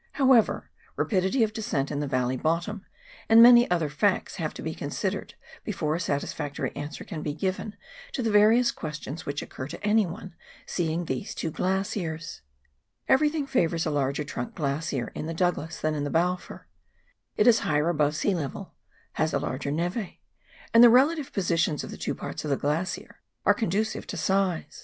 However, rapidity of descent in the valley bottom and many other facts have to be considered before a satisfactory answer can be given to the various questions which occur to anyone seeing these two glaciers. Everything favours a larger trunk glacier in the Douglas than in the Balfour ; it is higher above sea level, has a larger neve, and the relative positions of the two parts of the glacier are conducive to size.